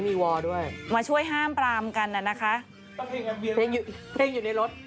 เพียงอยู่ในรถ